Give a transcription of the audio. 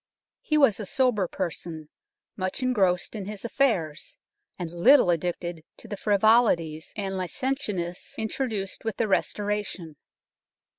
He was a sober person, much engrossed in his affairs, and little addicted to the frivolities and licentiousness introduced with the Restoration.